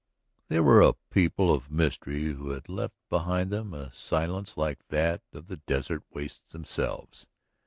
They were a people of mystery who had left behind them a silence like that of the desert wastes themselves.